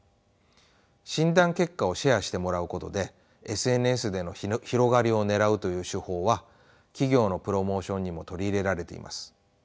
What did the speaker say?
診断結果をシェアしてもらうことでＳＮＳでの広がりをねらうという手法は企業のプロモーションにも取り入れられています。